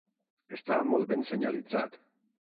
Està molt ben senyalitzat.